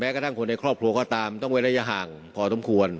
กระทั่งคนในครอบครัวก็ตามต้องเว้นระยะห่างพอสมควร